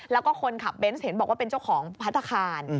แล้วก็คนขับเบนส์เห็นบอกว่าเป็นเจ้าของพัฒนาคาร